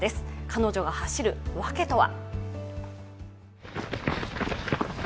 彼女が走る訳とは。